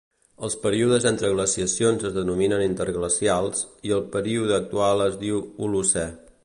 Els períodes entre glaciacions es denominen interglacials, i el període actual es diu Holocè.